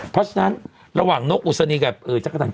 เพราะฉะนั้นระหว่างนกอุศนีกับจักรัน